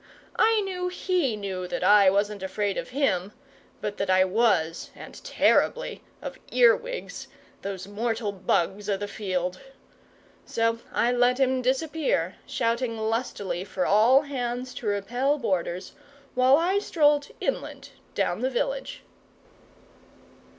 I knew HE knew that I wasn't afraid of him, but that I was and terribly of earwigs, "those mortal bugs o' the field." So I let him disappear, shouting lustily for all hands to repel boarders, while I strolled inland, down the village.